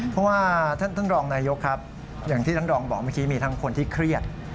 เพราะว่าท่านรองนายกครับอย่างที่ท่านรองบอกเมื่อกี้มีทั้งคนที่เครียด